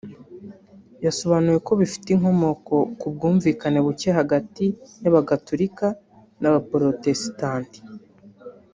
yasobanuye ko bifite inkomoko ku bwumvikane bucye hagati y’Abagatulika n’Abaporotesitanti